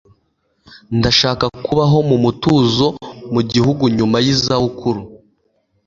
ndashaka kubaho mu mutuzo mu gihugu nyuma yizabukuru